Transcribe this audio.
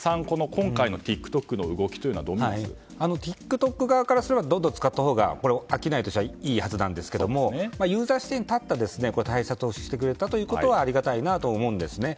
今回のＴｉｋＴｏｋの動きはＴｉｋＴｏｋ側からするとどんどん使ったほうが商いとしてはいいはずですがユーザー視点に立った対策をしてくれたというのはありがたいなと思うんですね。